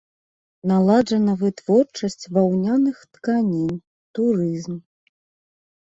Наладжана вытворчасць ваўняных тканін, турызм.